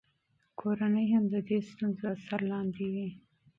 کورنۍ هم د دې ستونزو اثر لاندې وي.